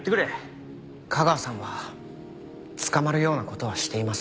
架川さんは捕まるような事はしていません。